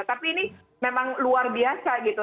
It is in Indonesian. tapi ini memang luar biasa gitu